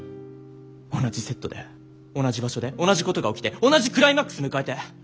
同じセットで同じ場所で同じことが起きて同じクライマックス迎えて。